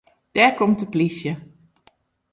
Dêr komt de plysje.